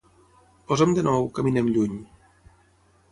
Posa'm de nou "Caminem lluny".